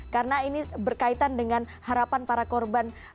karena ini berkaitan dengan harapan para korban